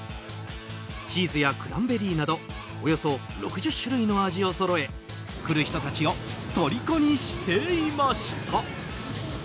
チーズやクランベリーなどおよそ６０種類の味をそろえ来る人たちをとりこにしていました。